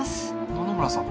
野々村さん。